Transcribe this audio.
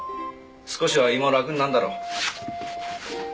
少しは胃も楽になるだろう。